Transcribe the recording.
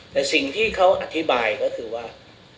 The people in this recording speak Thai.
แต่สิ่งที่เขาอธิบายก็คือว่า